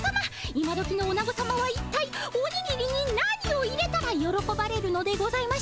今どきのオナゴさまはいったいおにぎりに何を入れたらよろこばれるのでございましょうか。